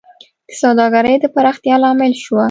د سوداګرۍ د پراختیا لامل شوه